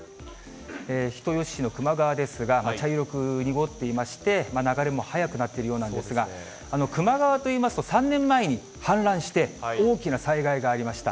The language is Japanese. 人吉市の球磨川ですが、茶色く濁っていまして、流れも速くなってるようなんですが、球磨川といいますと、３年前に氾濫して、大きな災害がありました。